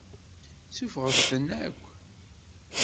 Suffɣet-tent akk.